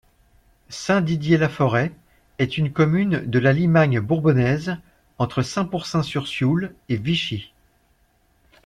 Saint-Didier-la-Forêt est une commune de la Limagne bourbonnaise, entre Saint-Pourçain-sur-Sioule et Vichy.